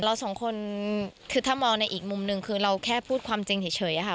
เราสองคนคือถ้ามองในอีกมุมหนึ่งคือเราแค่พูดความจริงเฉยค่ะ